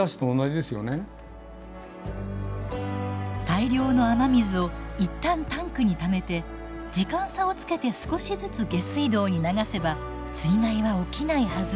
大量の雨水をいったんタンクにためて時間差をつけて少しずつ下水道に流せば水害は起きないはず。